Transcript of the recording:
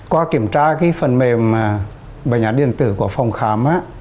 qua kiểm tra cái phần mềm bệnh án điện tử của phòng khám